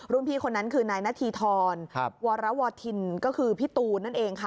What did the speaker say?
พี่คนนั้นคือนายนาธีทรวรวทินก็คือพี่ตูนนั่นเองค่ะ